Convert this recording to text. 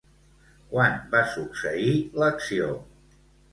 Quan va succeir l'acció?